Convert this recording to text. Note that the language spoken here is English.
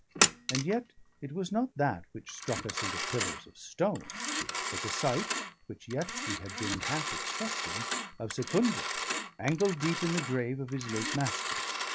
And yet it was not that which struck us into pillars of stone; but the sight (which yet we had been half expecting) of Secundra ankle deep in the grave of his late master.